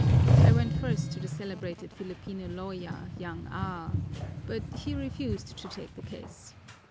I went first to the celebrated Filipino lawyer, young A , but he refused to take the case.